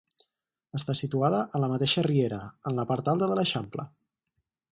Està situada a la mateixa riera, en la part alta de l'eixample.